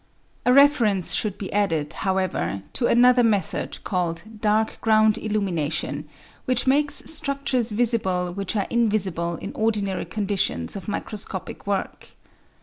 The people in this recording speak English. A reference should be added, however, to another method called ''dark ground illumination" which makes structures visible which are invisible in ordinary conditions of microscopic work.